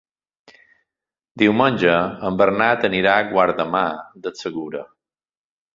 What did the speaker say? Diumenge en Bernat anirà a Guardamar del Segura.